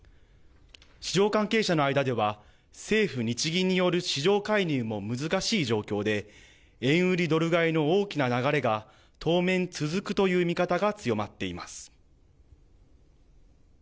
市場関係者の間では政府・日銀による市場介入も難しい状況で円売りドル買いの大きな流れが当面、続くという見方が強まっています。